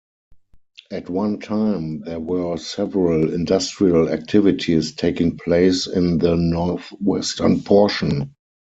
At one time there were several industrial activities taking place in the north-western portion.